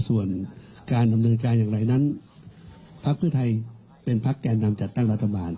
ส่วนการดำเนินการอย่างไรนั้นพักเพื่อไทยเป็นพักแก่นำจัดตั้งรัฐบาล